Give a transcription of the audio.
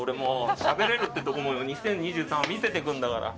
しゃべれるってところも２０２３は見せていくんだから。